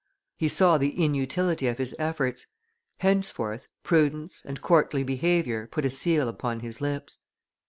He saw the inutility of his efforts; henceforth, prudence and courtly behavior put a seal upon his lips.